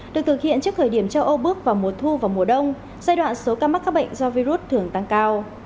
được thực hiện trước thời điểm châu âu bước vào mùa thu và mùa đông giai đoạn số ca mắc các bệnh do virus thường tăng cao